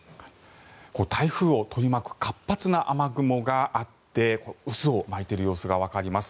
台風を取り巻く活発な雨雲があって渦を巻いている様子がわかります。